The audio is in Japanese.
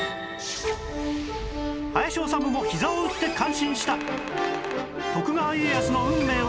林修もひざを打って感心した